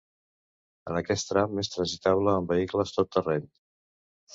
En aquest tram és transitable en vehicles tot terreny.